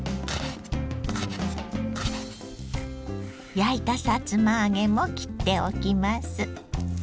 焼いたさつま揚げも切っておきます。